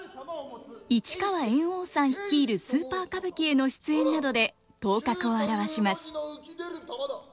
市川猿翁さん率いるスーパー歌舞伎への出演などで頭角を現します。